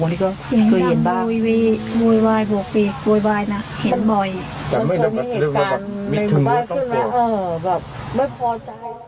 นี่ก็เคยเห็นบ้าง